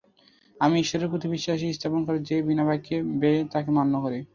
আমি ঈশ্বরের প্রতি বিশ্বাস স্থাপনকারী যে বিনা বাক্য ব্যায়ে তাকে মান্য করে!